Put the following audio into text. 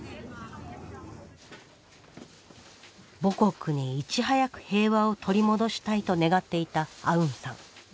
母国にいち早く平和を取り戻したいと願っていたアウンさん。